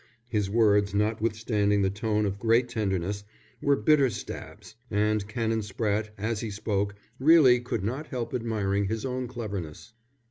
His words, notwithstanding the tone of great tenderness, were bitter stabs; and Canon Spratte, as he spoke, really could not help admiring his own cleverness.